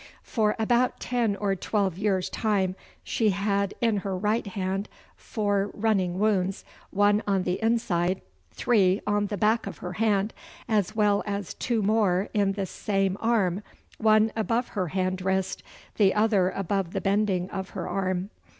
For about ten or twelve years' time she had in her right hand four running wounds, one on the inside, three on the back of her hand, as well as two more in the same arm, one above her hand wrist, the other above the bending of her arm.